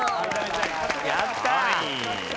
やったー！